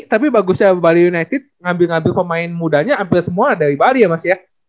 tapi bagusnya bali united ngambil ngambil pemain mudanya hampir semua dari bali ya mas ya